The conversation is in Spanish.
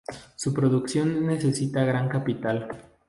Su producción necesita gran capital.